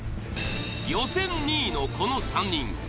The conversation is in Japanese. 予選２位のこの３人。